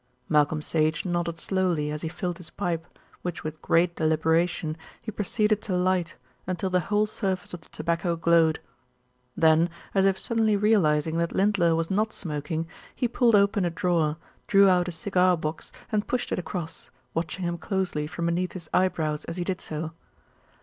Malcolm Sage nodded slowly as he filled his pipe, which with great deliberation he proceeded to light until the whole surface of the tobacco glowed. Then, as if suddenly realising that Lindler was not smoking, he pulled open a drawer, drew out a cigar box, and pushed it across, watching him closely from beneath his eyebrows as he did so.